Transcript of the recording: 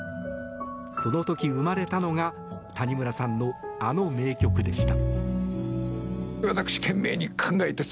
その時生まれたのが谷村さんのあの名曲でした。